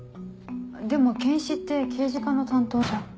でも検視って刑事課の担当じゃ。